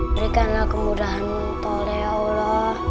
berikanlah kemudahan tol ya allah